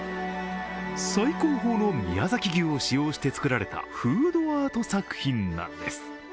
最高峰の宮崎牛を使用して作られたフードアート作品なんです。